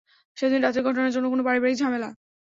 সেদিন রাতের ঘটনার জন্য কোন পারিবারিক ঝামেলা?